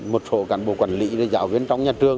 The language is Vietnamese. một số cán bộ quản lý giáo viên trong nhà trường